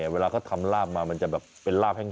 เวลานี้ทำลาบมามันจะเยอะแห้ง